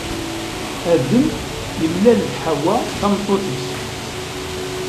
Adem yemlal d Ḥawwa, tameṭṭut-is.